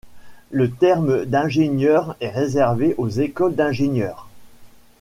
Le terme d'ingénieur est réservé aux écoles d'ingénieurs.